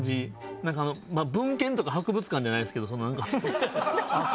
なんかあの文献とか博物館じゃないですけど。